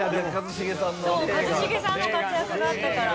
一茂さんの活躍があったから。